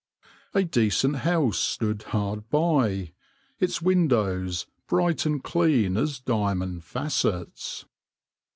A decent house stood hard by, its windows bright and clean as diamond facets.